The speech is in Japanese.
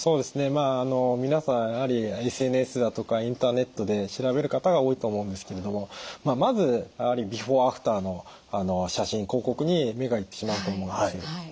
まあ皆さんやはりＳＮＳだとかインターネットで調べる方が多いと思うんですけれどもまずやはりビフォー・アフターの写真広告に目が行ってしまうと思うんです。